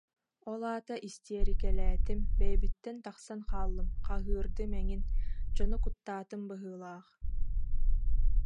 Ол аата истиэрикэлээтим, бэйэбиттэн тахсан хааллым, хаһыырдым эҥин, дьону куттаатым быһыылаах